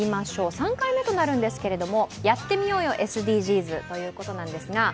３回目となるんですけれども「やってみようよ、ＳＤＧｓ」ということなんですけれども。